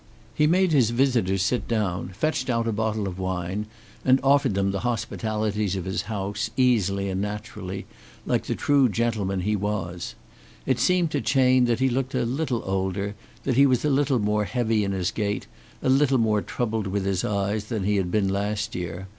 He made his visitors sit down, fetched out a bottle of wine and offered them the hospitalities of his house, easily and naturally, like the true gentleman he was. It seemed to Chayne that he looked a little older, that he was a little more heavy in his gait, a little more troubled with his eyes than he had been last year.